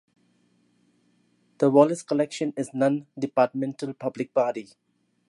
The Wallace Collection is a non-departmental public body.